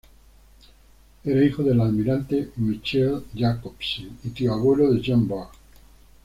Era hijo del almirante Michiel Jacobsen y tío abuelo de Jean Bart.